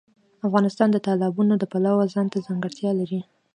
افغانستان د تالابونه د پلوه ځانته ځانګړتیا لري.